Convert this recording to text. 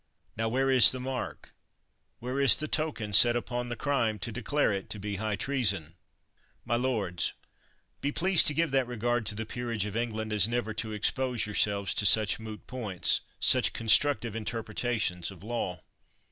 Now where is the mark, where is the token set upon the crime, to declare it to be high treason ? My lords, be pleased to give that regard to the peerage of England as never to expose your selves to such moot points, such constructive in terpretations of law.